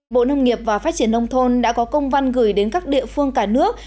bộ nông nghiệp và phát triển nông thôn đã có công văn gửi đến các địa phương cả nước